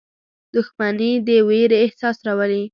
• دښمني د ویرې احساس راولي.